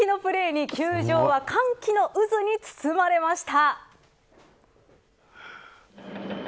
この衝撃のプレーに球場は歓喜の渦に包まれました。